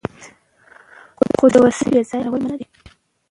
خو د وسلې بې ځایه کارول منع دي.